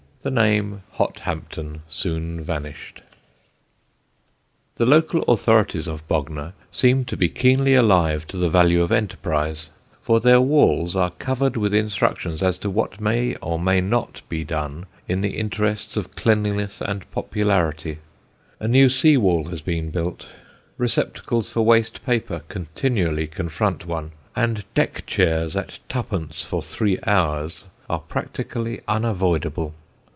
The name Hothampton soon vanished. The local authorities of Bognor seem to be keenly alive to the value of enterprise, for their walls are covered with instructions as to what may or may not be done in the interests of cleanliness and popularity; a new sea wall has been built; receptacles for waste paper continually confront one, and deck chairs at twopence for three hours are practically unavoidable.